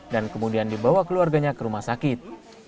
dan kemudian dibawa keluarganya ke rumah sakit